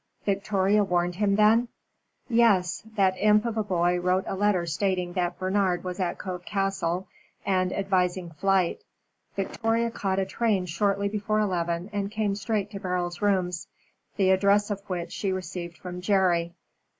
"Victoria warned him, then?" "Yes. That imp of a boy wrote a letter stating that Bernard was at Cove Castle, and advising flight. Victoria caught a train shortly before eleven and came straight to Beryl's rooms, the address of which she received from Jerry.